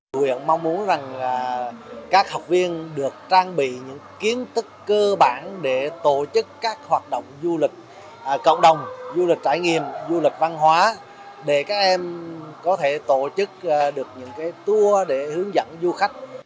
tuyện mong muốn rằng các học viên được trang bị những kiến thức cơ bản để tổ chức các hoạt động du lịch cộng đồng du lịch trải nghiệm du lịch văn hóa để các em có thể tổ chức được những tour để hướng dẫn du khách